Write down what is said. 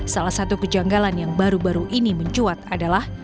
salah satu kejanggalan yang baru baru ini mencuat adalah